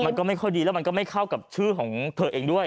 มันก็ไม่ค่อยดีแล้วมันก็ไม่เข้ากับชื่อของเธอเองด้วย